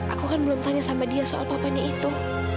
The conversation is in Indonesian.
aku kan belum tanya sama dia soal papanya itu